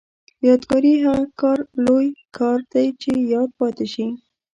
یادګاري کار هغه لوی کار دی چې یاد پاتې شي.